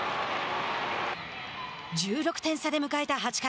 １６点差で迎えた８回。